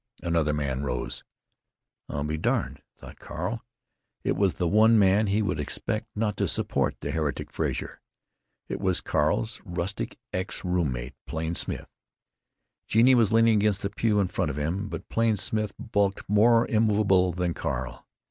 Another man rose. "I'll be darned!" thought Carl. It was the one man who would be expected not to support the heretic Frazer—it was Carl's rustic ex room mate, Plain Smith. Genie was leaning against the pew in front of him, but Plain Smith bulked more immovable than Carl.